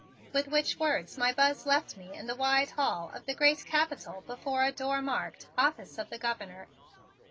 With which words my Buzz left me in the wide hall of the great Capitol before a door marked: "Office of the Governor."